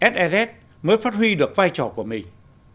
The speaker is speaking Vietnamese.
sss mới phát huy được vai trò của mình